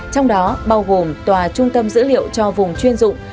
trong đó bao gồm tòa trung tâm dữ liệu cho vùng chuyên dụng